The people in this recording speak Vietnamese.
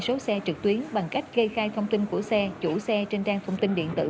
số xe trực tuyến bằng cách kê khai thông tin của xe chủ xe trên trang thông tin điện tử